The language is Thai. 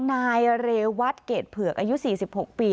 นายเรวัตเกรดเผือกอายุ๔๖ปี